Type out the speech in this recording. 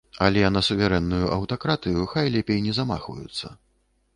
Але на суверэнную аўтакратыю хай лепей не замахваюцца.